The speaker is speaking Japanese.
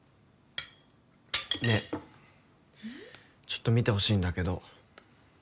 ちょっと見てほしいんだけど。